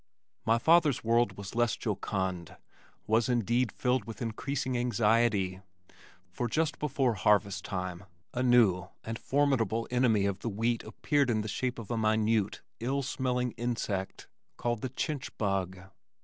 My father's world was less jocund, was indeed filled with increasing anxiety, for just before harvest time a new and formidable enemy of the wheat appeared in the shape of a minute, ill smelling insect called the chinch bug.